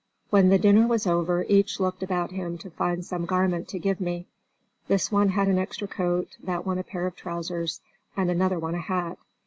When the dinner was over each looked about him to find some garment to give me. This one had an extra coat, that one a pair of trousers, and another one a hat.